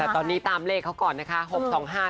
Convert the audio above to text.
แต่ตอนนี้ตามเลขเขาก่อนนะคะ๖๒๕นะคะ